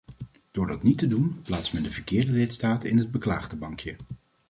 Door dat niet te doen, plaatst men de verkeerde lidstaten in het beklaagdenbankje.